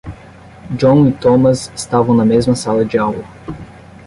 John e Thomas estavam na mesma sala de aula.